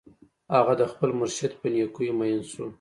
هغه د خپل مرشد په نېکیو مین شو